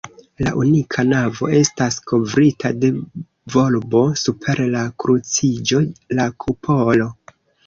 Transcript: La unika navo estas kovrita de volbo; super la kruciĝo, la kupolo.